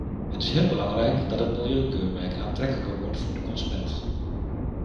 Het is heel belangrijk dat het milieukeurmerk aantrekkelijker wordt voor de consument.